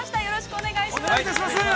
よろしくお願いします。